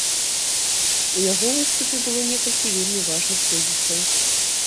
У яго выступе было некалькі вельмі важных тэзісаў.